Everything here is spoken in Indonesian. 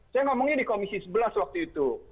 saya ngomongnya di komisi sebelas waktu itu